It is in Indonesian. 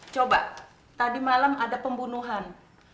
coba tadi malam ada pembunuhan